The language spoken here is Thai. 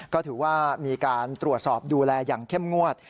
ก็ถือว่ามีการตรวจสอบดูแลอย่างเข้มงวด